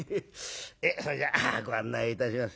えっそれじゃご案内をいたします。